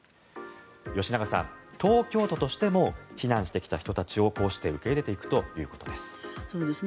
吉永さん、東京都としても避難してきた人たちをこうして受け入れていくということです。